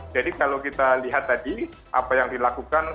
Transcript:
jadi kalau kita lihat tadi apa yang dilakukan